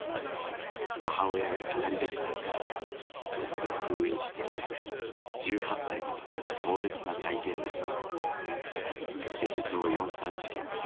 母親が語りだしたのはずっと封印していた１８歳の時の壮絶な体験でした。